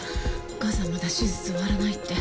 お義母さんまだ手術終わらないって。